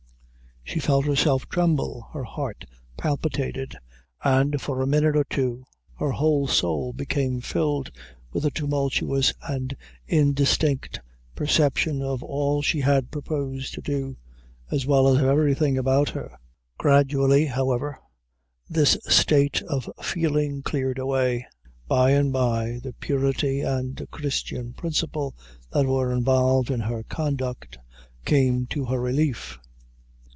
She felt herself tremble; her heart palpitated, and for a minute or two her whole soul became filled with a tumultuous and indistinct! perception of all she had proposed to do, as well as of everything about her. Gradually, however, his state of feeling cleared away by and by the purity and Christian principle that were involved in her conduct, came to her relief.